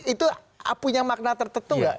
itu punya makna tertentu nggak